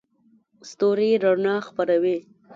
ستوري رڼا خپروي.